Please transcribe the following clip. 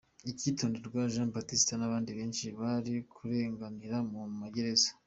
Icyitonderwa Jean Baptiste n’abandi benshi bari kurenganira mu magereza